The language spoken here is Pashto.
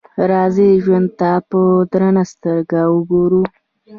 راځئ ژوند ته په درنه سترګه وګورو.